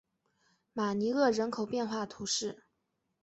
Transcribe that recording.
马尼厄人口变化图示